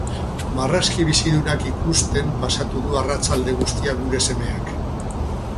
Marrazki bizidunak ikusten pasatu du arratsalde guztia gure semeak.